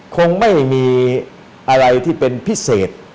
คงไม่มีอะไรที่เป็นพิเศษ